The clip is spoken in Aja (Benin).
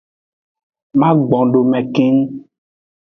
Magbondeme keng.